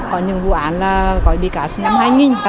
có những vụ án là có bị cáo sinh năm hai nghìn